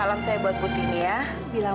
aku pula yakin